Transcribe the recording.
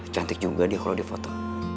cantik juga dia kalo di foto